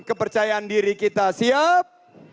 kepercayaan diri kita siap